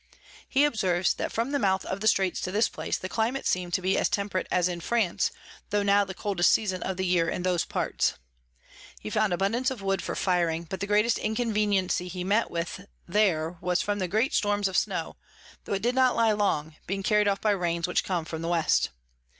He observes, that from the Mouth of the Straits to this place, the Climate seem'd to be as temperate as in France, tho now the coldest Season of the Year in those parts. He found abundance of Wood for Firing, but the greatest Inconveniency he met with there, was from the great Storms of Snow, tho it did not lie long, being carry'd off by Rains which come from the West.